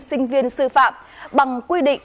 sinh viên sư phạm bằng quy định